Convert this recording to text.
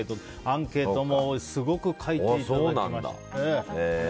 アンケートもすごく書いていただきまして。